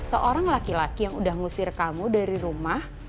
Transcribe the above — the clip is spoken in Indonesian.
seorang laki laki yang udah ngusir kamu dari rumah